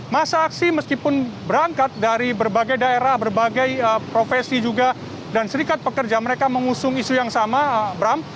masa aksi meskipun berangkat dari berbagai daerah berbagai profesi juga dan serikat pekerja mereka mengusung isu yang sama bram